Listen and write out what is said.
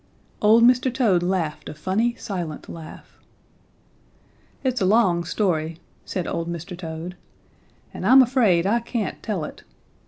Old Mr. Toad laughed a funny silent laugh. "It's a long story," said old Mr. Toad, "and I'm afraid I can't tell it.